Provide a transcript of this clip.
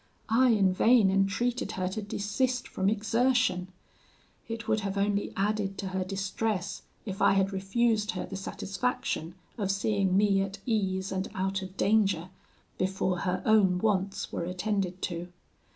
I, in vain, entreated her to desist from exertion: it would have only added to her distress if I had refused her the satisfaction of seeing me at ease and out of danger, before her own wants were attended to.